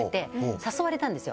誘われたんですよ。